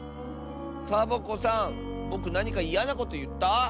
サボ子さんぼくなにかいやなこといった？